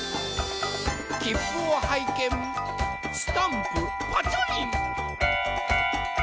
きっぷをはいけんスタンプパチョリン。